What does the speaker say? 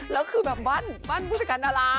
แล้วคือบ้านผู้จัดการตาลา